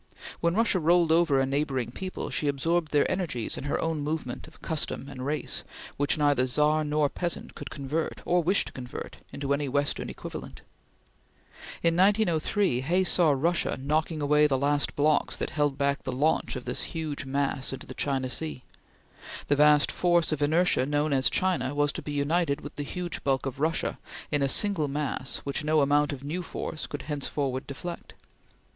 When Russia rolled over a neighboring people, she absorbed their energies in her own movement of custom and race which neither Czar nor peasant could convert, or wished to convert, into any Western equivalent. In 1903 Hay saw Russia knocking away the last blocks that held back the launch of this huge mass into the China Sea. The vast force of inertia known as China was to be united with the huge bulk of Russia in a single mass which no amount of new force could henceforward deflect.